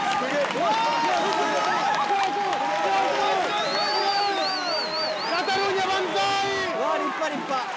うわ立派立派。